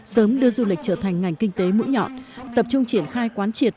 sớm đưa du lịch trở thành ngành kinh tế mũi nhọn tập trung triển khai quán triệt